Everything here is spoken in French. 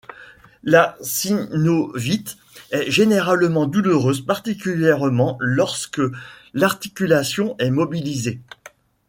La synovite est généralement douloureuse, particulièrement lorsque l'articulation est mobilisée.